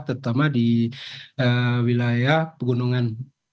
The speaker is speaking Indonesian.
terutama di wilayah pegunungan